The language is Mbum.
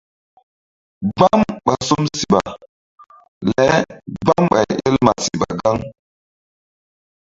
Gbam ɓa som siɓa le gbam ɓay el ma siɓa ra gaŋ.